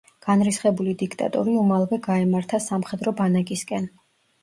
განრისხებული დიქტატორი უმალვე გაემართა სამხედრო ბანაკისკენ.